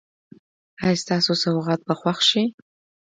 ایا ستاسو سوغات به خوښ شي؟